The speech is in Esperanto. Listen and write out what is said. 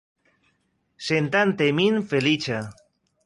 Sentante min feliĉa.